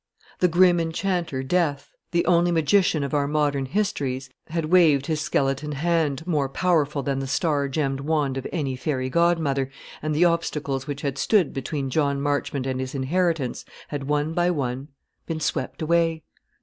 The grim enchanter Death, the only magician of our modern histories, had waved his skeleton hand, more powerful than the star gemmed wand of any fairy godmother, and the obstacles which had stood between John Marchmont and his inheritance had one by one been swept away.